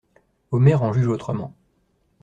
Omer en juge autrement.